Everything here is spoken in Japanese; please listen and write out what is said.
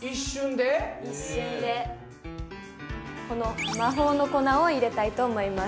この魔法の粉を入れたいと思います。